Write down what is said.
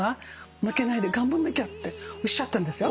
「負けないで頑張んなきゃ」っておっしゃったんですよ。